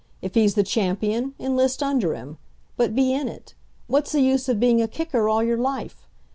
If he's the champion, enlist under him. But be in it. What's the use of being a kicker all your life?